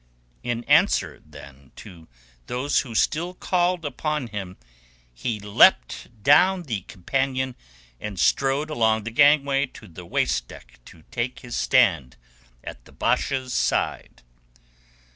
In answer, then, to those who still called upon him, he leapt down the companion and strode along the gangway to the waist deck to take his stand at the Basha's side.